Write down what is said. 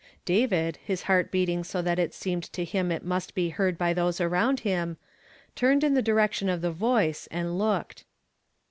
David, his heart beating so that it seemed to him it must be heard by those around him, turned in the direction of the voice, and looked.